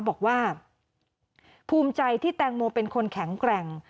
บอกว่าภูมิใจที่แตงโมเป็นคนแข็งแกร่ง